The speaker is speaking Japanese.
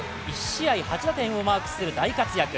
１試合８打点をマークする大活躍。